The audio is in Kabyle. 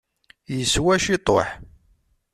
Yeswa ciṭuḥ.